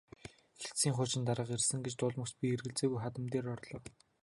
Хэлтсийн хуучин дарга ирсэн гэж дуулмагц би эргэлзэлгүй хадам дээр орлоо.